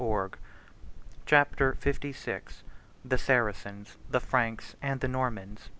] Chapter LVI: The Saracens, The Franks And The Normans.